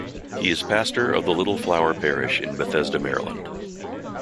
He is pastor of the Little Flower Parish in Bethesda, Maryland.